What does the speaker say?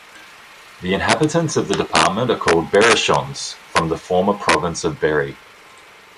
The inhabitants of the department are called "Berrichons" from the former province of Berry.